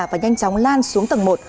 và nhanh chóng lan xuống tầng một